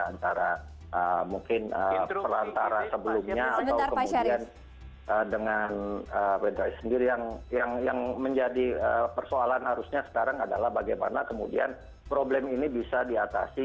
antara mungkin perantara sebelumnya atau kemudian dengan federasi sendiri yang menjadi persoalan harusnya sekarang adalah bagaimana kemudian problem ini bisa diatasi